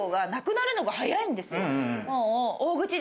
もう。